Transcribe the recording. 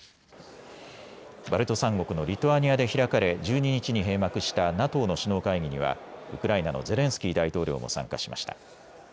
バルト三国のリトアニアで開かれ１２日に閉幕したＮＡＴＯの首脳会議にはウクライナのゼレンスキー大統領も参加しました。